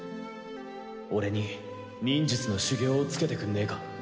俺に忍術の修業をつけてくんねえか？